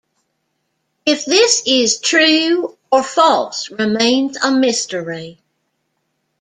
If this is true or false remains a mystery.